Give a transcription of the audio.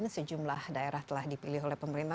sejumlah daerah telah dipilih oleh pemerintah